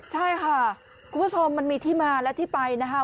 ใช่ค่ะคุณผู้ชมมันมีที่มาและที่ไปนะคะ